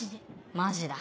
マジだ。